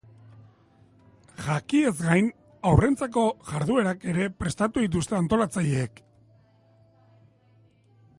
Jakiez gain, haurrentzako jarduerak ere prestatu dituzte antolatzaileek.